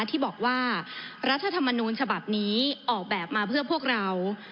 ที่บอกว่ารัฐธรรมนูญฉบับนี้ออกแบบมาเพื่อพวกเรา